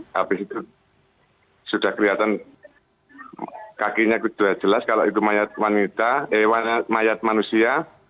habis itu sudah kelihatan kakinya sudah jelas kalau itu mayat manusia